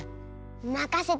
まかせて！